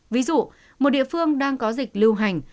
ví dụ một địa phương đang có dịch lưu hành